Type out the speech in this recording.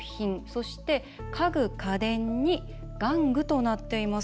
そして、家具・家電に玩具となっています。